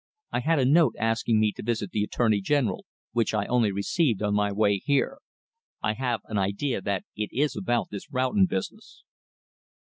"I had a note asking me to visit the Attorney General, which I only received on my way here. I have an idea that it is about this Roughton business."